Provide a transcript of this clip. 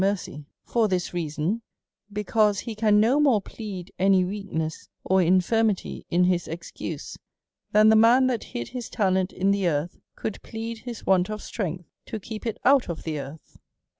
f^Biercy ; for this reason, because he can no more plead ' any weakness or infirmity in his excuse, than the man that hid his talent in the earth could plead his want of ., strength to keep it out of the earth.